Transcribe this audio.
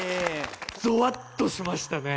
ゾワッとしましたね。